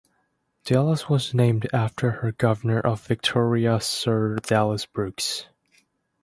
Dallas was named after the Governor of Victoria Sir Dallas Brooks.